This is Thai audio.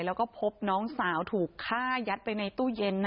แล้วก็พบน้องสาวถูกฆ่ายัดไปในตู้เย็น